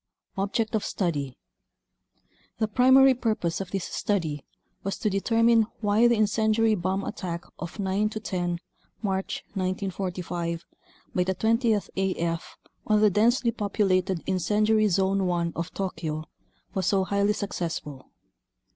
Object of Study The primary purpose of this study was to determine why the incendiary bomb attack of 9 10 March 1945 by the Twentieth AF on the densely populated Incendiary Zone 1 of Tokyo was so highly successful.